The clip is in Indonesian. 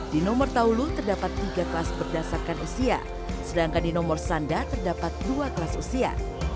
di nomor taulu terdapat tiga kelas berdasarkan usia sedangkan di nomor sanda terdapat dua kelas usia